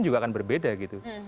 juga akan berbeda gitu